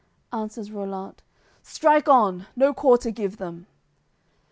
Answers Rollant: "Strike on; no quarter give them!"